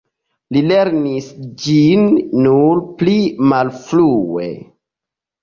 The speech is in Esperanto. Li lernis ĝin nur pli malfrue.